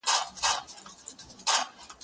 زه اوس مځکي ته ګورم؟